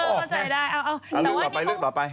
ปลายได้เอาเอาลืมลองต่อไป